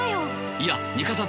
いや味方だ。